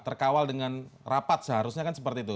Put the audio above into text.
terkawal dengan rapat seharusnya kan seperti itu